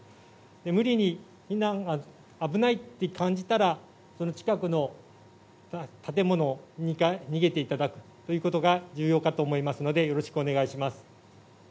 無理に、危ないって感じたら、その近くの建物の２階に逃げていただくことが重要かと思いますので、よろしくお願いします。